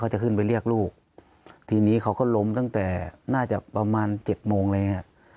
จะขึ้นไปเรียกลูกทีนี้เขาก็ล้มตั้งแต่น่าจะประมาณเจ็ดโมงอะไรอย่างนี้